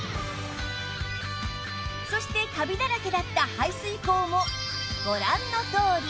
そしてカビだらけだった排水口もご覧のとおり